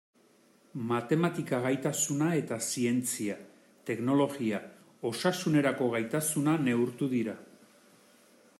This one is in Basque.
Matematika gaitasuna eta zientzia, teknologia, osasunerako gaitasuna neurtu dira.